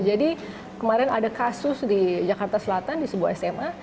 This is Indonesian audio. jadi kemarin ada kasus di jakarta selatan di sebuah sma